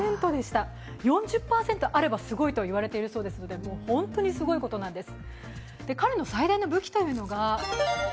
成功率４０％あればすごいといわれていますので本当にすごいことなんです。